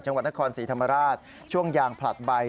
จังหวัดนครศรีธรรมราชช่วงยางผลัดใบ